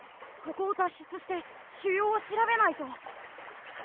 ここを脱出して腫瘍を調べないと。